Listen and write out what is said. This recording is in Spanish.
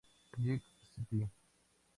Jill St.